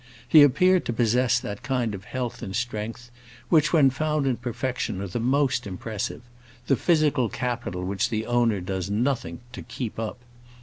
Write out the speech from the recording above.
He appeared to possess that kind of health and strength which, when found in perfection, are the most impressive—the physical capital which the owner does nothing to "keep up."